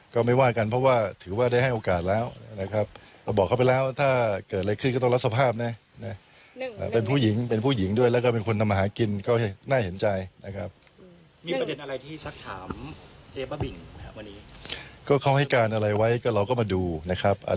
ก็เขาให้การอะไรไว้เราก็มาดูนะครับ